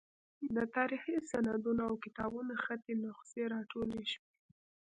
د تاریخي سندونو او کتابونو خطي نسخې راټولې شوې.